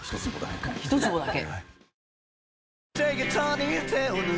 １坪だけ？